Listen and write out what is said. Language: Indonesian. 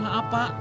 gak ada apa apa